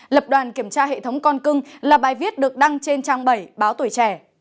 lập đoàn kiểm tra hệ thống con cưng là bài viết được đăng trên trang bảy báo tuổi trẻ